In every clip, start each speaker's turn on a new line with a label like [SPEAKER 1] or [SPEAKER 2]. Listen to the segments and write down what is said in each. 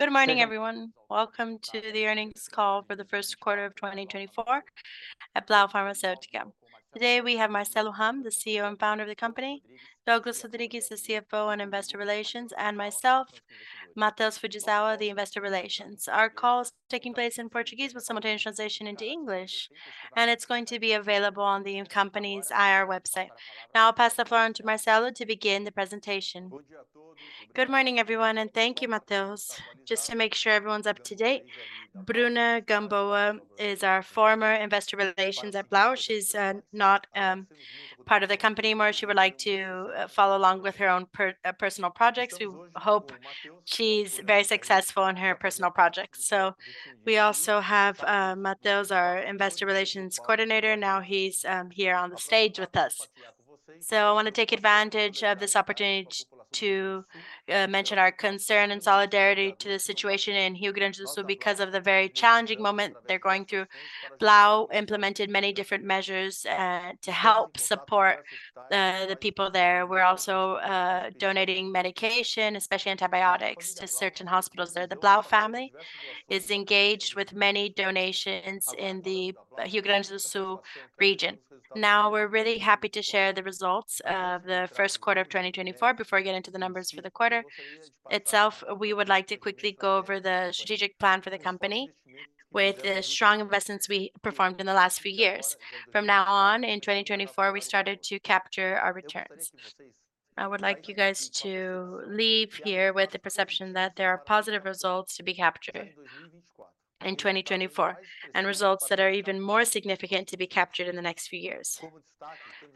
[SPEAKER 1] Good morning, everyone. Welcome to the earnings call for the Q1 of 2024 at Blau Farmacêutica. Today, we have Marcelo Hahn, the CEO and founder of the company, Douglas Rodrigues, the CFO and Investor Relations, and myself, Matheus Fujisawa, the Investor Relations. Our call is taking place in Portuguese with simultaneous translation into English, and it's going to be available on the company's IR website. Now, I'll pass the floor on to Marcelo to begin the presentation.
[SPEAKER 2] Good morning, everyone, and thank you, Matheus. Just to make sure everyone's up to date, Bruna Gamboa is our former Investor Relations at Blau. She's not part of the company anymore. She would like to follow along with her own personal projects. We hope she's very successful in her personal projects. So we also have Matheus, our Investor Relations coordinator. Now he's here on the stage with us. So I wanna take advantage of this opportunity to mention our concern and solidarity to the situation in Rio Grande do Sul. Because of the very challenging moment they're going through, Blau implemented many different measures to help support the people there. We're also donating medication, especially antibiotics, to certain hospitals there. The Blau family is engaged with many donations in the Rio Grande do Sul region. Now, we're really happy to share the results of the Q1 of 2024. Before I get into the numbers for the quarter itself, we would like to quickly go over the strategic plan for the company with the strong investments we performed in the last few years. From now on, in 2024, we started to capture our returns. I would like you guys to leave here with the perception that there are positive results to be captured in 2024, and results that are even more significant to be captured in the next few years.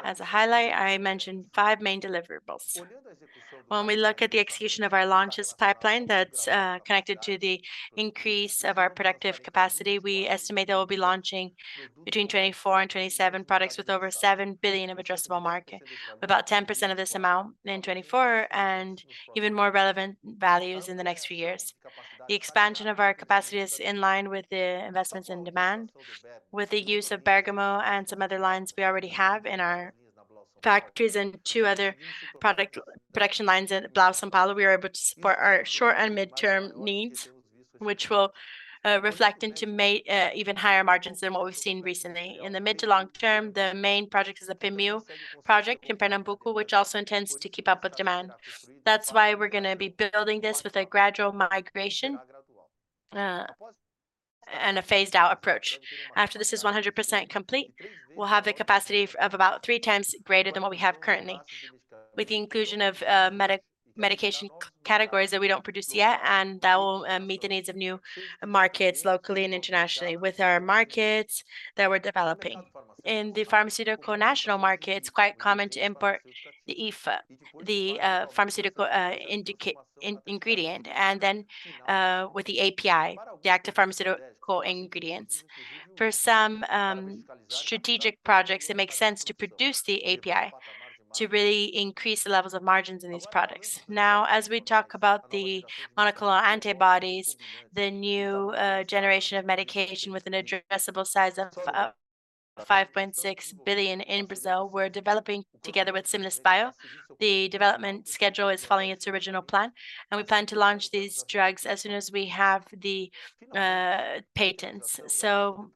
[SPEAKER 2] As a highlight, I mention five main deliverables. When we look at the execution of our launches pipeline that's connected to the increase of our productive capacity, we estimate that we'll be launching between 24 and 27 products with over 7 billion of addressable market. About 10% of this amount in 2024, and even more relevant values in the next few years. The expansion of our capacity is in line with the investments and demand. With the use of Bergamo and some other lines we already have in our factories and two other product production lines in Blau São Paulo, we are able to support our short- and mid-term needs, which will reflect into even higher margins than what we've seen recently. In the mid to long term, the main project is the PIMU project in Pernambuco, which also intends to keep up with demand. That's why we're gonna be building this with a gradual migration and a phased out approach. After this is 100% complete, we'll have the capacity of about three times greater than what we have currently, with the inclusion of medication categories that we don't produce yet, and that will meet the needs of new markets, locally and internationally, with our markets that we're developing. In the pharmaceutical national market, it's quite common to import the IFA, the pharmaceutical ingredient, and then with the API, the active pharmaceutical ingredients. For some strategic projects, it makes sense to produce the API to really increase the levels of margins in these products. Now, as we talk about the monoclonal antibodies, the new generation of medication with an addressable size of 5.6 billion in Brazil, we're developing together with Celsius Bio. The development schedule is following its original plan, and we plan to launch these drugs as soon as we have the patents. So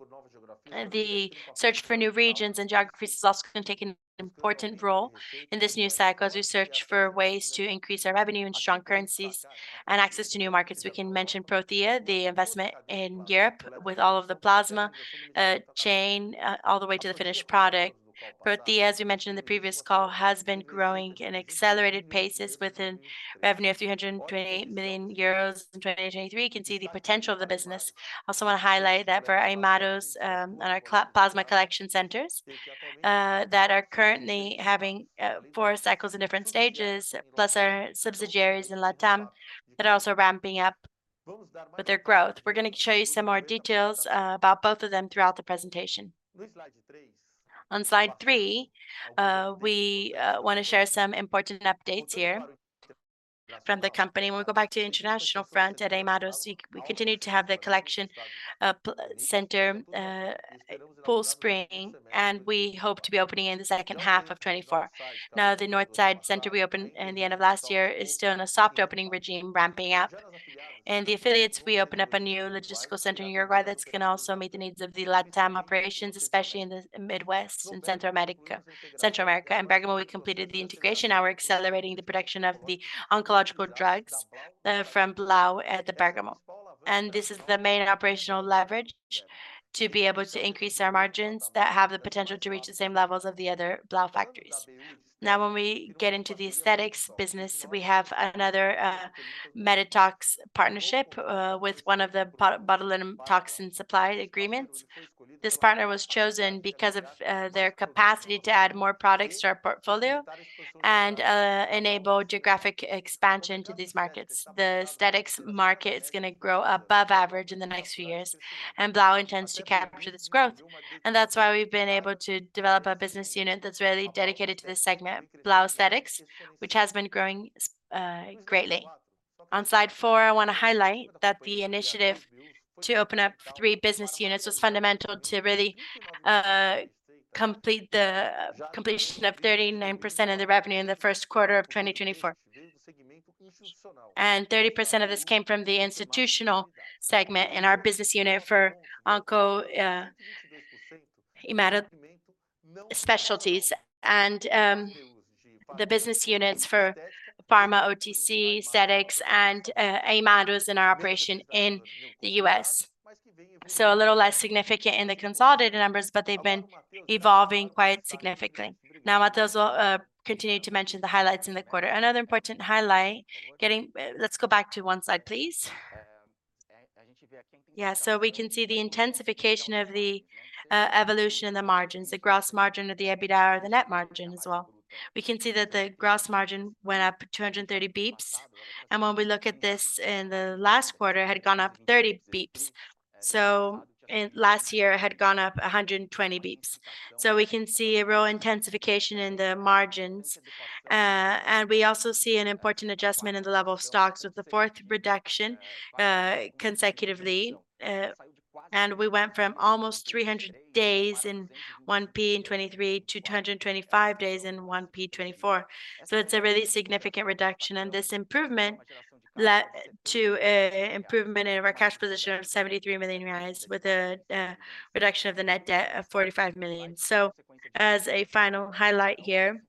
[SPEAKER 2] the search for new regions and geographies is also gonna take an important role in this new cycle as we search for ways to increase our revenue in strong currencies and access to new markets. We can mention Prothya, the investment in Europe with all of the plasma chain, all the way to the finished product. Prothya, as we mentioned in the previous call, has been growing in accelerated paces within revenue of 328 million euros in 2023. You can see the potential of the business. I also wanna highlight that for Hemarus and our plasma collection centers that are currently having four cycles in different stages, plus our subsidiaries in Latam that are also ramping up with their growth. We're gonna show you some more details about both of them throughout the presentation. On slide three, we wanna share some important updates here from the company. When we go back to the international front at Hemarus, we continue to have the collection center, pull spring, and we hope to be opening in the second half of 2024. Now, the north side center we opened in the end of last year is still in a soft opening regime, ramping up. In the affiliates, we opened up a new logistical center in Uruguay that's gonna also meet the needs of the Latam operations, especially in the Midwest and Central America. Central America. In Bergamo, we completed the integration. Now we're accelerating the production of the oncological drugs from Blau at the Bergamo, and this is the main operational leverage to be able to increase our margins that have the potential to reach the same levels of the other Blau factories. Now, when we get into the aesthetics business, we have another Medytox partnership with one of the botulinum toxin supply agreements. This partner was chosen because of their capacity to add more products to our portfolio and enable geographic expansion to these markets. The aesthetics market is gonna grow above average in the next few years, and Blau intends to capture this growth, and that's why we've been able to develop a business unit that's really dedicated to this segment, Blau Aesthetics, which has been growing greatly. On slide four, I wanna highlight that the initiative to open up three business units was fundamental to really complete the completion of 39% of the revenue in the Q1 of 2024. 30% of this came from the institutional segment in our business unit for onco, Hemato Specialties, and the business units for pharma, OTC, aesthetics, and Hemarus in our operation in the U.S. So a little less significant in the consolidated numbers, but they've been evolving quite significantly. Now, Matheus will continue to mention the highlights in the quarter. Another important highlight. Let's go back to one slide, please.
[SPEAKER 1] Yeah, so we can see the intensification of the evolution in the margins, the gross margin of the EBITDA or the net margin as well. We can see that the gross margin went up 230 basis points. And when we look at this in the last quarter, it had gone up 30 basis points. Last year, it had gone up 120 basis points. So we can see a real intensification in the margins, and we also see an important adjustment in the level of stocks with the fourth reduction consecutively. And we went from almost 300 days in 1Q in 2023 to 225 days in 1Q 2024. So it's a really significant reduction, and this improvement led to a improvement in our cash position of 73 million reais, with a reduction of the net debt of 45 million. So as a final highlight here,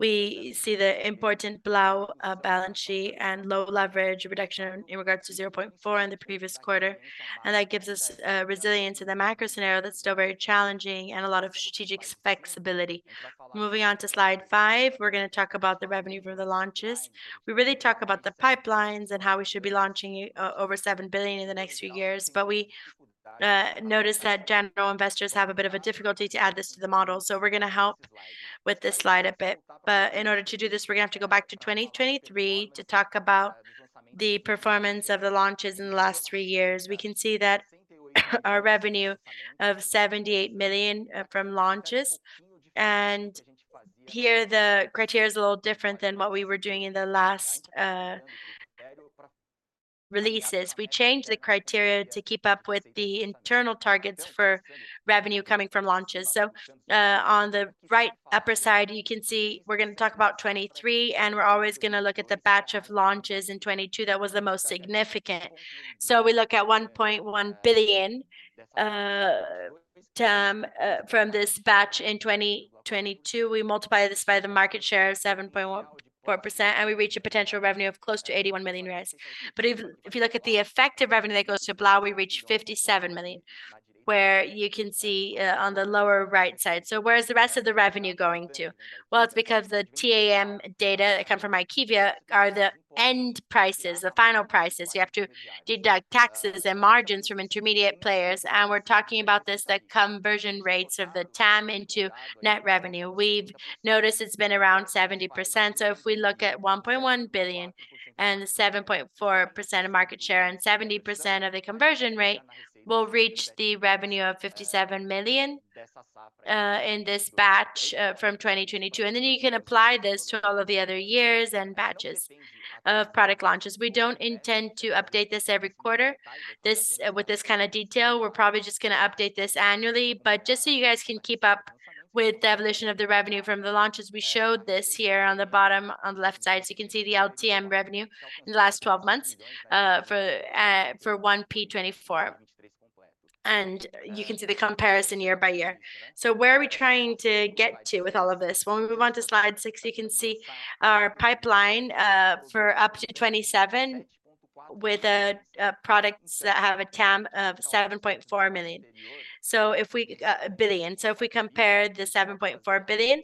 [SPEAKER 1] we see the important Blau balance sheet and low leverage reduction in regards to 0.4 in the previous quarter, and that gives us resilience in the macro scenario that's still very challenging and a lot of strategic flexibility. Moving on to slide 5, we're gonna talk about the revenue for the launches. We really talk about the pipelines and how we should be launching over 7 billion in the next few years, but we noticed that general investors have a bit of a difficulty to add this to the model, so we're gonna help with this slide a bit. But in order to do this, we're gonna have to go back to 2023 to talk about the performance of the launches in the last three years. We can see that our revenue of 78 million from launches, and here the criteria is a little different than what we were doing in the last releases. We changed the criteria to keep up with the internal targets for revenue coming from launches. So, on the right upper side, you can see we're gonna talk about 23, and we're always gonna look at the batch of launches in 2022, that was the most significant. So we look at 1.1 billion TAM from this batch in 2022. We multiply this by the market share of 7.14%, and we reach a potential revenue of close to 81 million reais. But even if you look at the effective revenue that goes to Blau, we reach 57 million, where you can see on the lower right side. So where is the rest of the revenue going to? Well, it's because the TAM data that come from IQVIA are the end prices, the final prices. You have to deduct taxes and margins from intermediate players, and we're talking about this, the conversion rates of the TAM into net revenue. We've noticed it's been around 70%. So if we look at 1.1 billion and the 7.4% of market share, and 70% of the conversion rate will reach the revenue of 57 million in this batch from 2022. And then you can apply this to all of the other years and batches of product launches. We don't intend to update this every quarter. This with this kind of detail, we're probably just gonna update this annually. But just so you guys can keep up with the evolution of the revenue from the launches, we showed this here on the bottom, on the left side. So you can see the LTM revenue in the last 12 months, for 1Q 2024. And you can see the comparison year by year. So where are we trying to get to with all of this? When we move on to slide 6, you can see our pipeline, for up to 2027, with the products that have a TAM of 7.4 million. So if we... billion. So if we compare the 7.4 billion,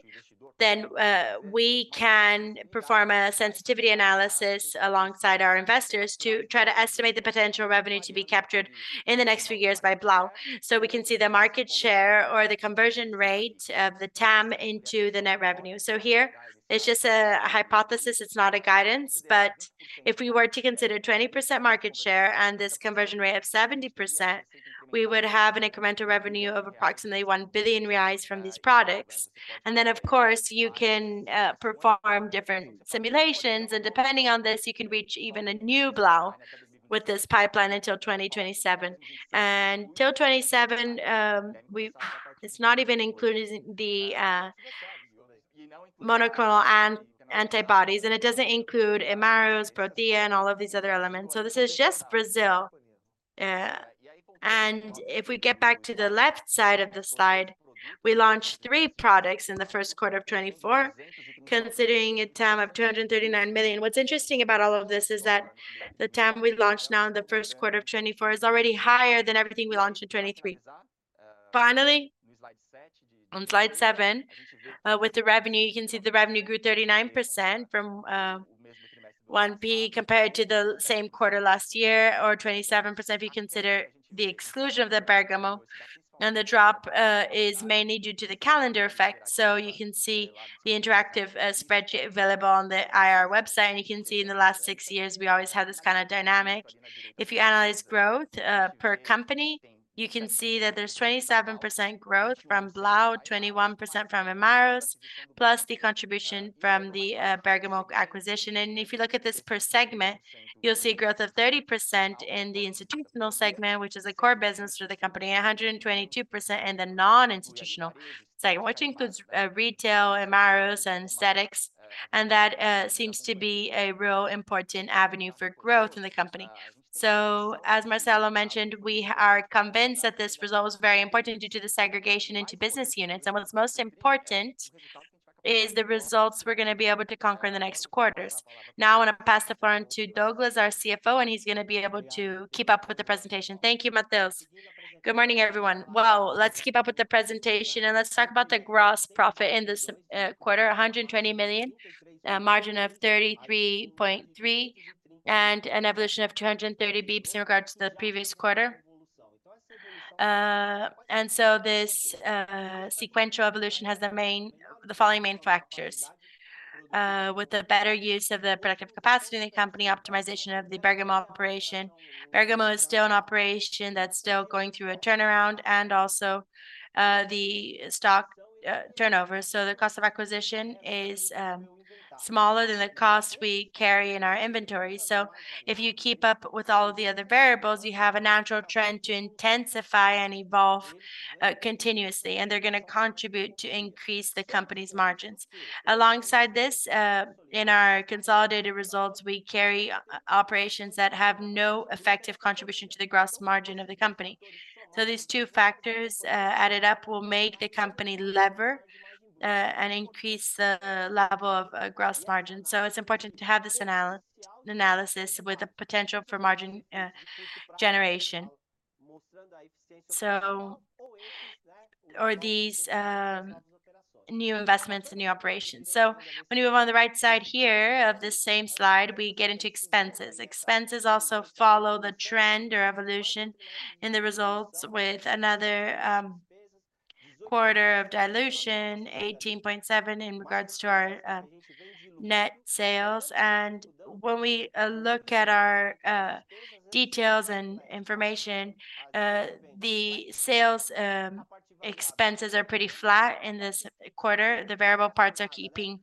[SPEAKER 1] then we can perform a sensitivity analysis alongside our investors to try to estimate the potential revenue to be captured in the next few years by Blau. So we can see the market share or the conversion rate of the TAM into the net revenue. So here it's just a hypothesis, it's not a guidance. But if we were to consider 20% market share and this conversion rate of 70%, we would have an incremental revenue of approximately 1 billion reais from these products. And then, of course, you can perform different simulations, and depending on this, you can reach even a new Blau with this pipeline until 2027. And till 2027, it's not even including the monoclonal antibodies, and it doesn't include Hemarus, Prothya, and all of these other elements. So this is just Brazil. And if we get back to the left side of the slide, we launched three products in the Q1 of 2024, considering a TAM of 239 million. What's interesting about all of this is that the TAM we launched now in the Q1 of 2024 is already higher than everything we launched in 2023. Finally, on slide 7, with the revenue, you can see the revenue grew 39% from 1Q compared to the same quarter last year, or 27% if you consider the exclusion of the Bergamo. And the drop is mainly due to the calendar effect. So you can see the interactive spreadsheet available on the IR website. And you can see in the last six years, we always have this kind of dynamic. If you analyze growth per company, you can see that there's 27% growth from Blau, 21% from Hemarus, plus the contribution from the Bergamo acquisition. If you look at this per segment, you'll see growth of 30% in the institutional segment, which is a core business for the company, 122% in the non-institutional segment, which includes retail, Hemarus and aesthetics. And that seems to be a real important avenue for growth in the company. So as Marcelo mentioned, we are convinced that this result was very important due to the segregation into business units. And what's most important is the results we're gonna be able to conquer in the next quarters. Now, I wanna pass the floor on to Douglas, our CFO, and he's gonna be able to keep up with the presentation.
[SPEAKER 3] Thank you, Matheus. Good morning, everyone. Well, let's keep up with the presentation, and let's talk about the gross profit in this quarter, 120 million, a margin of 33.3%, and an evolution of 230 basis points in regards to the previous quarter. So this sequential evolution has the following main factors, with the better use of the productive capacity in the company, optimization of the Bergamo operation. Bergamo is still in operation, that's still going through a turnaround, and also the stock turnover. So the cost of acquisition is smaller than the cost we carry in our inventory. So if you keep up with all of the other variables, you have a natural trend to intensify and evolve continuously, and they're gonna contribute to increase the company's margins. Alongside this, in our consolidated results, we carry operations that have no effective contribution to the gross margin of the company. So these two factors added up will make the company lever and increase the level of gross margin. So it's important to have this analysis with the potential for margin generation. So or these new investments and new operations. So when you move on the right side here of this same slide, we get into expenses. Expenses also follow the trend or evolution in the results with another quarter of dilution, 18.7%, in regards to our net sales. When we look at our details and information, the sales expenses are pretty flat in this quarter. The variable parts are keeping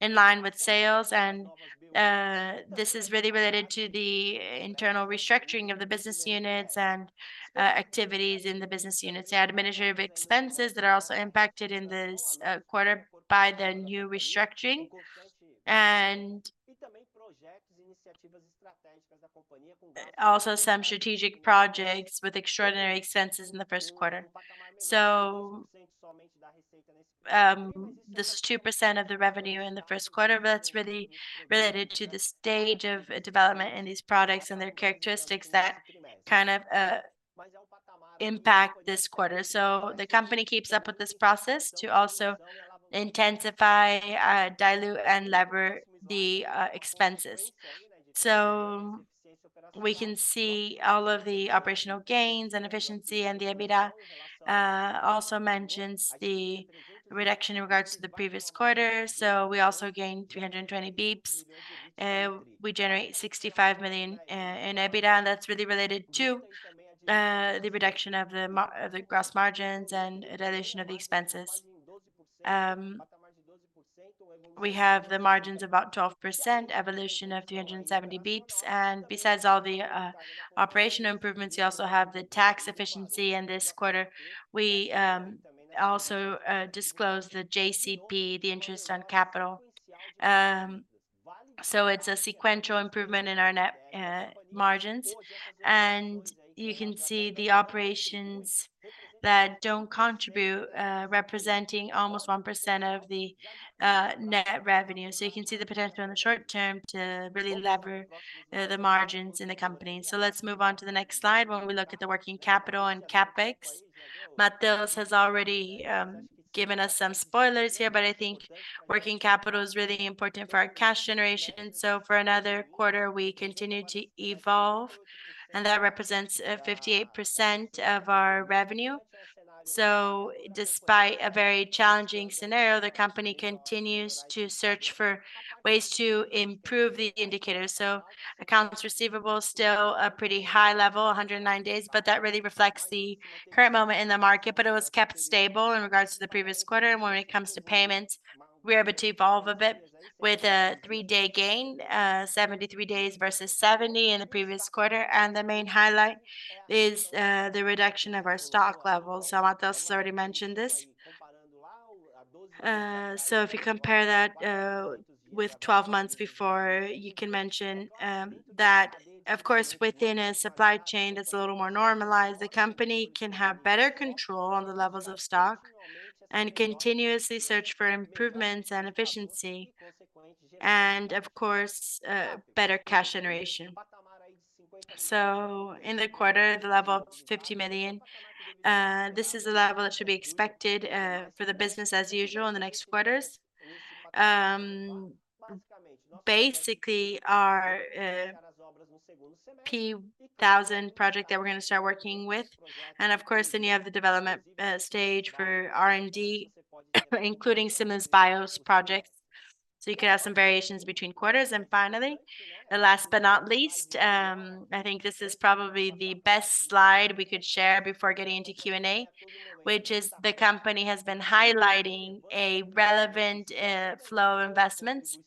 [SPEAKER 3] in line with sales, and this is really related to the internal restructuring of the business units and activities in the business units. The administrative expenses that are also impacted in this quarter by the new restructuring and also some strategic projects with extraordinary expenses in the Q1. So, this 2% of the revenue in the Q1, but that's really related to the stage of development in these products and their characteristics that kind of impact this quarter. So the company keeps up with this process to also intensify, dilute, and lever the expenses. So we can see all of the operational gains and efficiency, and the EBITDA also mentions the reduction in regards to the previous quarter. So we also gained 320 basis points. We generate 65 million in EBITDA, and that's really related to the reduction of the margin of the gross margins and reduction of the expenses. We have the margins about 12%, evolution of 370 basis points, and besides all the operational improvements, we also have the tax efficiency in this quarter. We also disclosed the JCP, the interest on capital. So it's a sequential improvement in our net margins. And you can see the operations that don't contribute, representing almost 1% of the net revenue. So you can see the potential in the short term to really lever the margins in the company. So let's move on to the next slide, where we look at the working capital and CapEx. Matheus has already given us some spoilers here, but I think working capital is really important for our cash generation. For another quarter, we continue to evolve, and that represents 58% of our revenue. Despite a very challenging scenario, the company continues to search for ways to improve the indicators. Accounts receivable is still a pretty high level, 109 days, but that really reflects the current moment in the market, but it was kept stable in regards to the previous quarter. When it comes to payments, we're able to evolve a bit with a 3-day gain, 73 days versus 70 in the previous quarter. The main highlight is the reduction of our stock levels. Matheus already mentioned this. So if you compare that with 12 months before, you can mention that of course, within a supply chain that's a little more normalized, the company can have better control on the levels of stock and continuously search for improvements and efficiency, and of course, better cash generation. So in the quarter, the level of 50 million, this is the level that should be expected for the business as usual in the next quarters. Basically, our P1000 project that we're gonna start working with, and of course, then you have the development stage for R&D, including Simmons Bios projects. So you could have some variations between quarters. And finally, the last but not least, I think this is probably the best slide we could share before getting into Q&A, which is the company has been highlighting a relevant flow of investments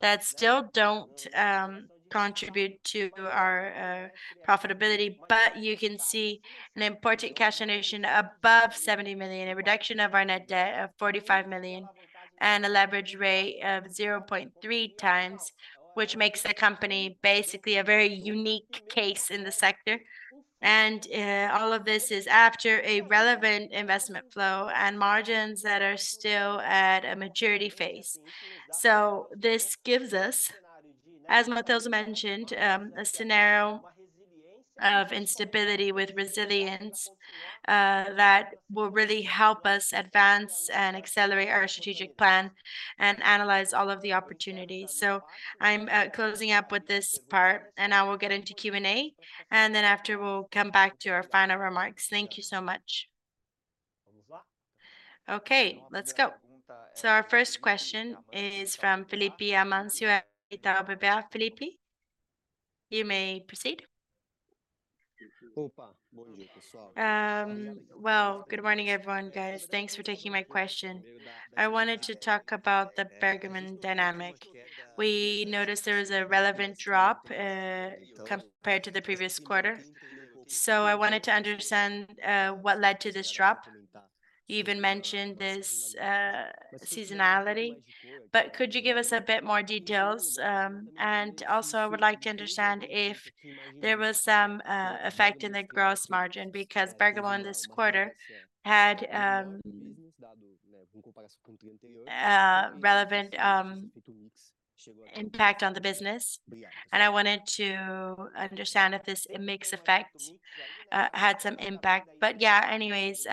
[SPEAKER 3] that still don't contribute to our profitability. But you can see an important cash generation above 70 million, a reduction of our net debt of 45 million, and a leverage rate of 0.3 times, which makes the company basically a very unique case in the sector. All of this is after a relevant investment flow and margins that are still at a maturity phase. So this gives us, as Matheus mentioned, a scenario of instability with resilience that will really help us advance and accelerate our strategic plan and analyze all of the opportunities. So I'm closing up with this part, and now we'll get into Q&A, and then after, we'll come back to our final remarks. Thank you so much. Okay, let's go. So our first question is from Felipe Amancio at Itaú BBA. Felipe, you may proceed. Well, good morning, everyone, guys. Thanks for taking my question. I wanted to talk about the Bergamo dynamic. We noticed there was a relevant drop compared to the previous quarter. So I wanted to understand what led to this drop. You even mentioned this seasonality, but could you give us a bit more details? And also, I would like to understand if there was some effect in the gross margin, because Bergamo, in this quarter, had relevant impact on the business, and I wanted to understand if this mix effect had some impact.
[SPEAKER 2] But yeah, anyways,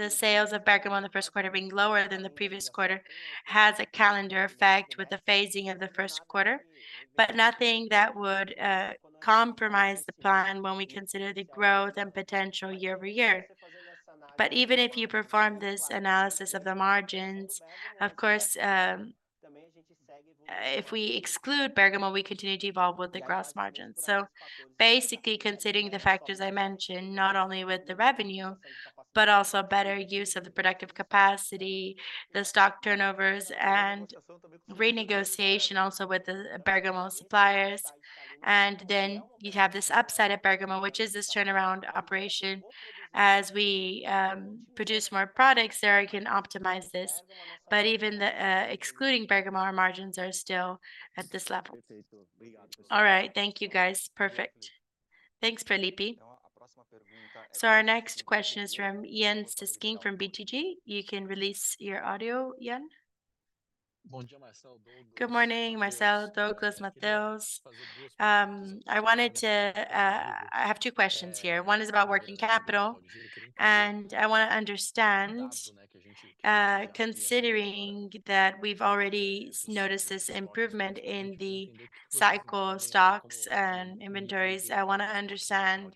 [SPEAKER 2] the sales of Bergamo in the Q1 being lower than the previous quarter has a calendar effect with the phasing of the Q1, but nothing that would compromise the plan when we consider the growth and potential year over year. But even if you perform this analysis of the margins, of course, if we exclude Bergamo, we continue to evolve with the gross margin. So basically, considering the factors I mentioned, not only with the revenue, but also better use of the productive capacity, the stock turnovers and renegotiation also with the Bergamo suppliers. And then you have this upside of Bergamo, which is this turnaround operation. As we produce more products there, I can optimize this, but even excluding Bergamo, our margins are still at this level.
[SPEAKER 4] All right. Thank you, guys. Perfect.
[SPEAKER 2] Thanks, Felipe.
[SPEAKER 1] So our next question is from Yan Cesquim from BTG. You can release your audio, Ian.
[SPEAKER 5] Good morning, Marcelo, Douglas, Matheus. I wanted to. I have two questions here. One is about working capital, and I want to understand, considering that we've already noticed this improvement in the cycle stocks and inventories, I wanna understand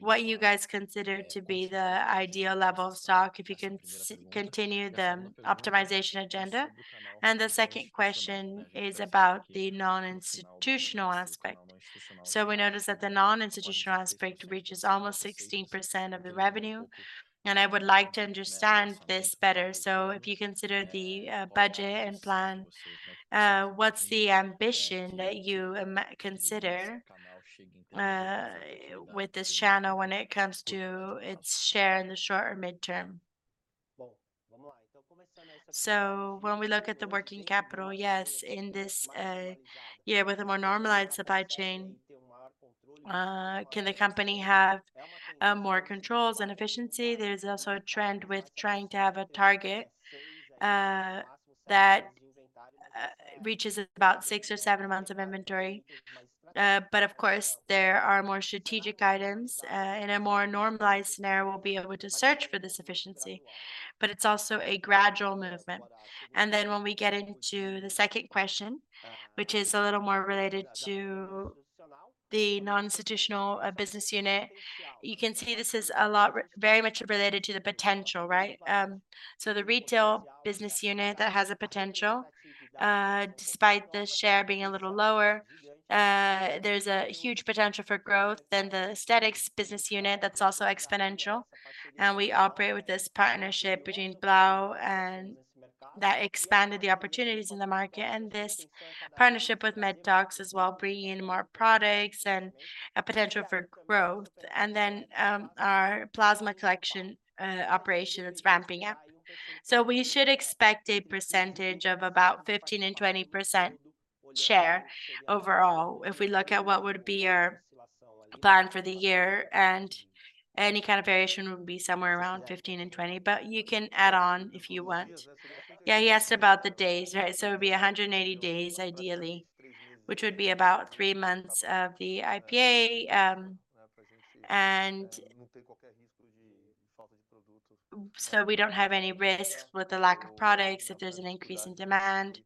[SPEAKER 5] what you guys consider to be the ideal level of stock, if you can continue the optimization agenda. And the second question is about the non-institutional aspect. So we noticed that the non-institutional aspect reaches almost 16% of the revenue, and I would like to understand this better. So if you consider the budget and plan, what's the ambition that you consider with this channel when it comes to its share in the short or midterm?
[SPEAKER 1] So when we look at the working capital, yes, in this year, with a more normalized supply chain, can the company have more controls and efficiency? There is also a trend with trying to have a target that reaches about six or seven months of inventory. But of course, there are more strategic items in a more normalized scenario. We'll be able to search for this efficiency, but it's also a gradual movement. And then when we get into the second question, which is a little more related to the non-institutional business unit, you can see this is very much related to the potential, right? So the retail business unit that has a potential, despite the share being a little lower, there's a huge potential for growth. Then the aesthetics business unit, that's also exponential, and we operate with this partnership between Blau and... That expanded the opportunities in the market and this partnership with Medtox as well, bringing in more products and a potential for growth. And then, our plasma collection operation, it's ramping up. So we should expect a percentage of about 15%-20% share overall. If we look at what would be our plan for the year, and any kind of variation would be somewhere around 15%-20%, but you can add on if you want. Yeah, he asked about the days, right? So it would be 180 days, ideally, which would be about three months of the IPA, and so we don't have any risk with the lack of products if there's an increase in demand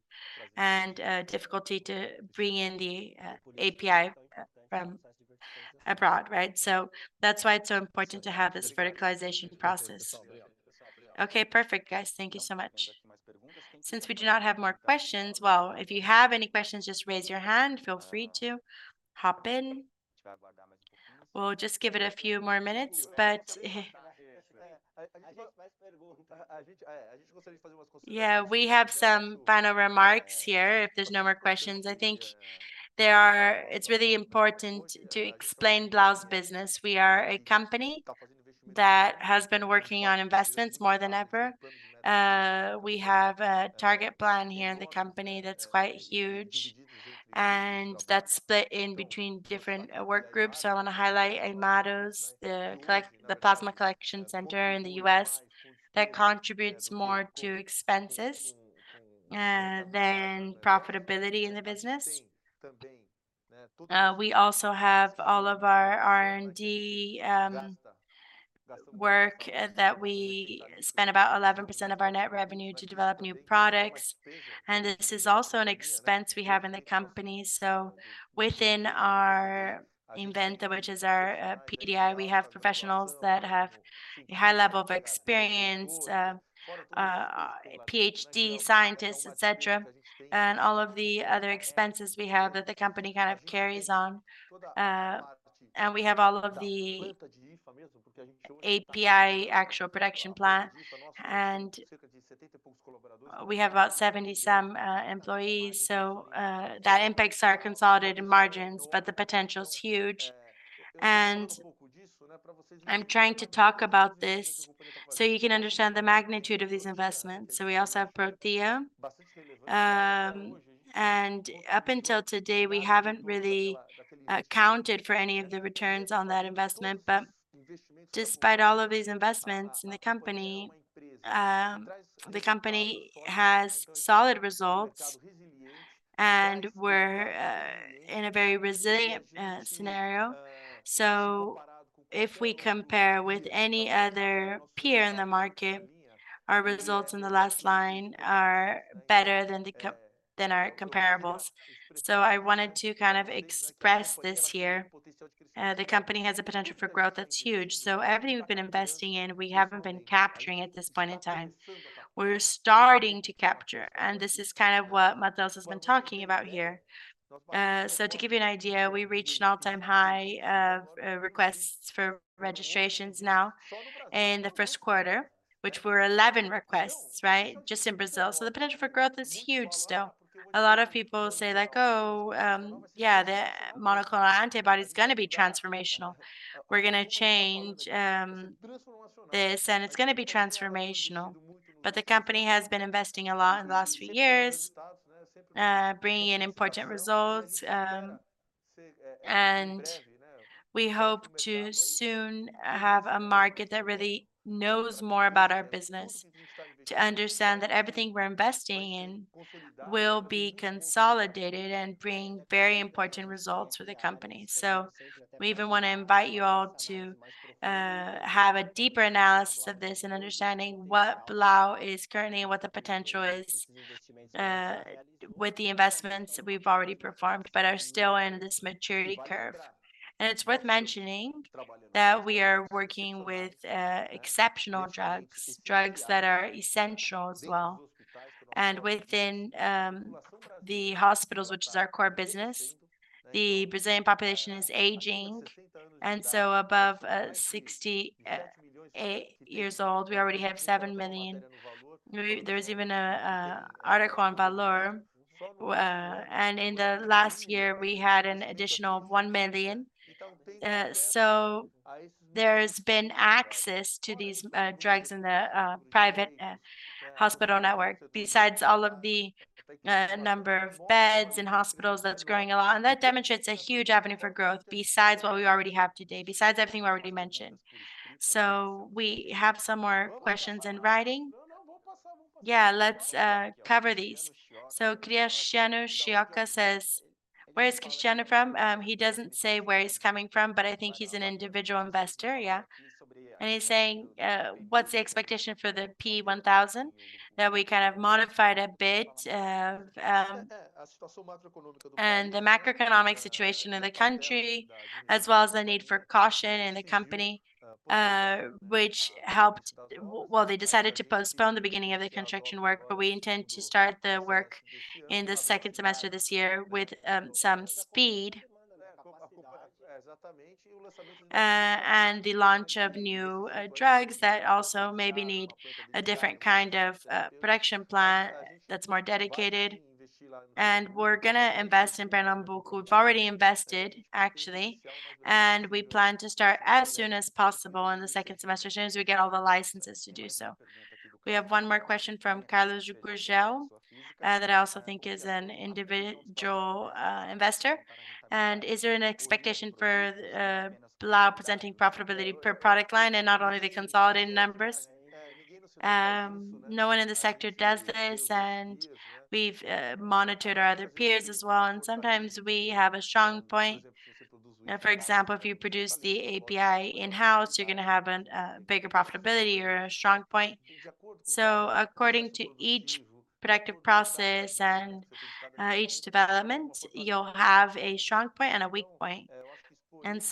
[SPEAKER 1] and, difficulty to bring in the API from abroad, right? So that's why it's so important to have this verticalization process.
[SPEAKER 5] Okay, perfect, guys. Thank you so much.
[SPEAKER 1] Since we do not have more questions... Well, if you have any questions, just raise your hand. Feel free to hop in. We'll just give it a few more minutes, but. Yeah, we have some final remarks here if there's no more questions. I think there are. It's really important to explain Blau's business. We are a company that has been working on investments more than ever. We have a target plan here in the company that's quite huge and that's split in between different work groups. So I wanna highlight Armados, the plasma collection center in the U.S., that contributes more to expenses than profitability in the business. We also have all of our R&D work that we spend about 11% of our net revenue to develop new products, and this is also an expense we have in the company. So within our Inventta, which is our PDI, we have professionals that have a high level of experience, PhD scientists, et cetera, and all of the other expenses we have that the company kind of carries on. And we have all of the API actual production plan, and we have about 70-some employees. So, that impacts our consolidated margins, but the potential is huge. And I'm trying to talk about this so you can understand the magnitude of these investments. So we also have Prothya. And up until today, we haven't really accounted for any of the returns on that investment. But despite all of these investments in the company, the company has solid results, and we're in a very resilient scenario. So if we compare with any other peer in the market, our results in the last line are better than our comparables. So I wanted to kind of express this here. The company has a potential for growth that's huge. So everything we've been investing in, we haven't been capturing at this point in time. We're starting to capture, and this is kind of what Matheus has been talking about here. So to give you an idea, we reached an all-time high of requests for registrations now in the Q1, which were 11 requests, right? Just in Brazil. The potential for growth is huge still. A lot of people say like: Oh, yeah, the monoclonal antibody is gonna be transformational. We're gonna change this, and it's gonna be transformational. But the company has been investing a lot in the last few years, bringing in important results. We hope to soon have a market that really knows more about our business, to understand that everything we're investing in will be consolidated and bring very important results for the company. So we even want to invite you all to have a deeper analysis of this and understanding what Blau is currently and what the potential is with the investments we've already performed, but are still in this maturity curve. And it's worth mentioning that we are working with exceptional drugs, drugs that are essential as well. And within the hospitals, which is our core business, the Brazilian population is aging, and so above 68 years old, we already have 7 million. There's even an article on Valor and in the last year, we had an additional 1 million. So there's been access to these drugs in the private hospital network, besides all of the number of beds and hospitals, that's growing a lot. That demonstrates a huge avenue for growth besides what we already have today, besides everything we already mentioned. We have some more questions in writing. Yeah, let's cover these. Cristiano Shioka says... Where is Cristiano from? He doesn't say where he's coming from, but I think he's an individual investor. Yeah. And he's saying, what's the expectation for the P-One Thousand? That we kind of modified a bit, and the macroeconomic situation in the country, as well as the need for caution in the company, which helped... Well, they decided to postpone the beginning of the construction work, but we intend to start the work in the second semester this year with some speed, and the launch of new drugs that also maybe need a different kind of production plan that's more dedicated. We're gonna invest in Pernambuco. We've already invested, actually, and we plan to start as soon as possible in the second semester, as soon as we get all the licenses to do so. We have one more question from Carlos Gurgel that I also think is an individual investor. Is there an expectation for Blau presenting profitability per product line and not only the consolidated numbers? No one in the sector does this, and we've monitored our other peers as well, and sometimes we have a strong point. For example, if you produce the API in-house, you're gonna have a bigger profitability or a strong point. So according to each productive process and each development, you'll have a strong point and a weak point.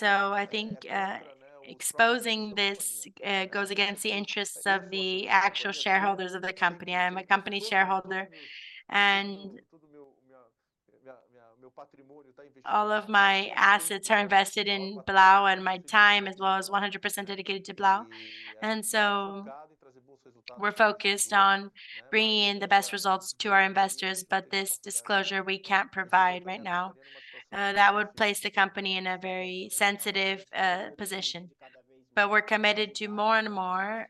[SPEAKER 1] I think, exposing this, goes against the interests of the actual shareholders of the company. I'm a company shareholder, and all of my assets are invested in Blau, and my time, as well, is 100% dedicated to Blau. So we're focused on bringing in the best results to our investors, but this disclosure, we can't provide right now. That would place the company in a very sensitive position. But we're committed to more and more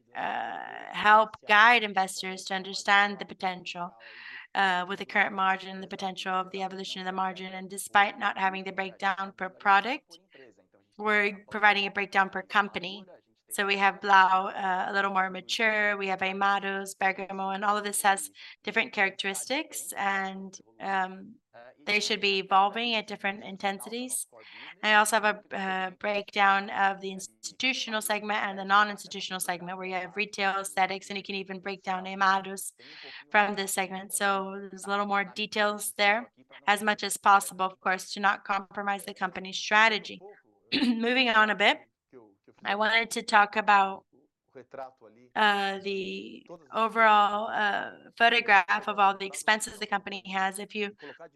[SPEAKER 1] help guide investors to understand the potential with the current margin and the potential of the evolution of the margin. And despite not having the breakdown per product, we're providing a breakdown per company. So we have Blau, a little more mature, we have Hematus, Bergamo, and all of this has different characteristics, and they should be evolving at different intensities. I also have a breakdown of the institutional segment and the non-institutional segment, where you have retail aesthetics, and you can even break down Hematus from this segment. So there's a little more details there, as much as possible, of course, to not compromise the company's strategy. Moving on a bit, I wanted to talk about the overall photograph of all the expenses the company has. If you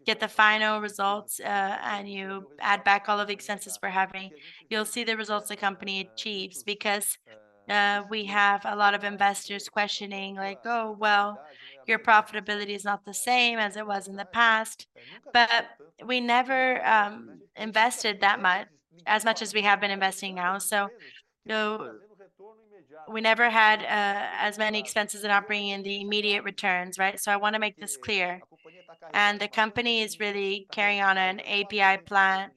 [SPEAKER 1] get the final results, and you add back all of the expenses we're having, you'll see the results the company achieves. Because we have a lot of investors questioning like, "Oh, well, your profitability is not the same as it was in the past." But we never invested that much, as much as we have been investing now. So no, we never had as many expenses and not bringing in the immediate returns, right? So I wanna make this clear, and the company is really carrying on an API plan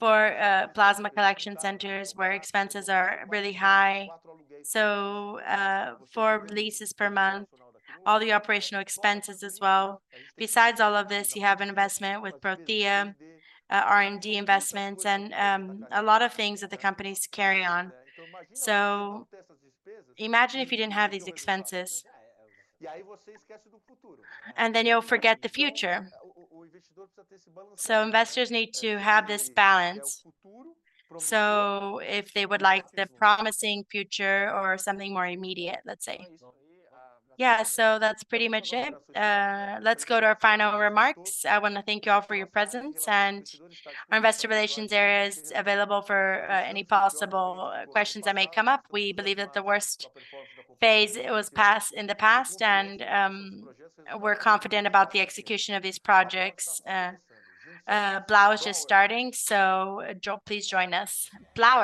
[SPEAKER 1] for plasma collection centers, where expenses are really high. So, 4 leases per month, all the operational expenses as well. Besides all of this, you have an investment with Prothya, R&D investments, and a lot of things that the companies carry on. So imagine if you didn't have these expenses, and then you'll forget the future. So investors need to have this balance. So if they would like the promising future or something more immediate, let's say. Yeah, so that's pretty much it. Let's go to our final remarks. I wanna thank you all for your presence, and our investor relations area is available for any possible questions that may come up. We believe that the worst phase it was passed in the past, and we're confident about the execution of these projects. Blau is just starting, so please join us. Blau!